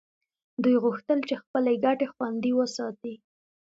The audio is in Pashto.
دوی غوښتل چې خپلې ګټې خوندي وساتي